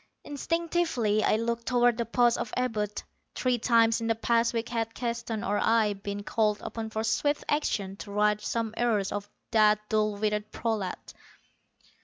Instinctively I looked toward the post of Abud. Three times in the past week had Keston or I been called upon for swift action to right some error of that dull witted prolat.